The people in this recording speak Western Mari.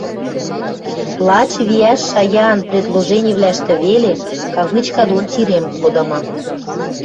лач виӓш шаяан предложенивлӓштӹ веле кавычка дон тирем кодымы;